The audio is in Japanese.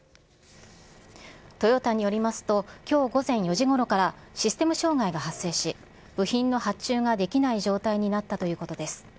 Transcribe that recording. トヨタによりますと、きょう午前４時ごろから、システム障害が発生し、部品の発注ができない状態になったということです。